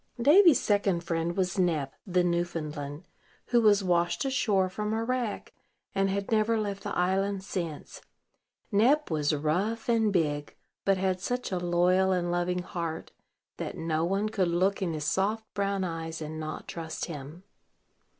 Davy's second friend was Nep, the Newfoundland, who was washed ashore from a wreck, and had never left the island since. Nep was rough and big, but had such a loyal and loving heart that no one could look in his soft brown eyes and not trust him.